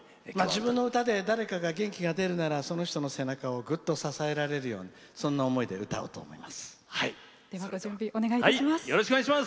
自分の歌で誰かが元気が出るならその人の背中をぐっと支えられるようにそんな思いで歌おうと思います。